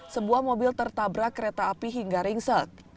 sebuah mobil tertabrak kereta api hingga ringsek